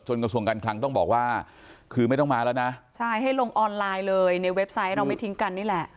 กระทรวงการคลังต้องบอกว่าคือไม่ต้องมาแล้วนะใช่ให้ลงออนไลน์เลยในเว็บไซต์เราไม่ทิ้งกันนี่แหละ